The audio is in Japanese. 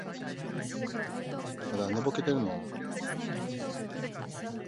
まだ寝ぼけてるの？